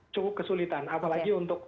cukup kesulitan apalagi untuk